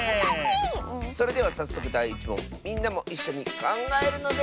それではさっそくだい１もんみんなもいっしょにかんがえるのである！